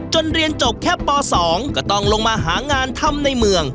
จนเรียนจบแค่ป่าสองก็ต้องลงมาหางานธรรมในเมือง